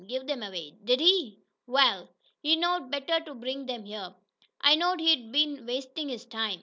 Give 'em away, did he? Wa'al, he knowed better'n to bring 'em here. I knowed he'd been wastin' his time.